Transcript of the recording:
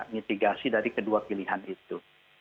mitigasi dari kedua pilihan itu